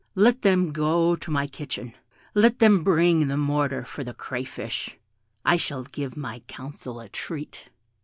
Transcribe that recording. Let them go to my kitchen; let them bring the mortar for the crayfish; I shall give my council a treat."